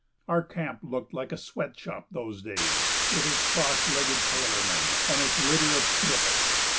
Our camp looked like a sweat shop those days, with its cross legged tailormen and its litter of snippets.